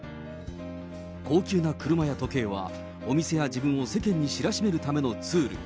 高級な車や時計は、お店や自分を世間に知らしめるためのツール。